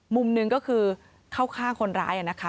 มุมหนึ่งก็คือเข้าข้างคนร้ายนะคะ